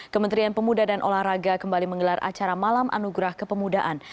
kementerian pemuda dan olahraga kembali menggelar acara malam anugerah kepemudaan